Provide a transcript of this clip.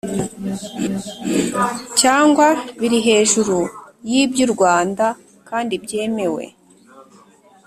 cyangwa biri hejuru y iby u Rwanda kandi byemewe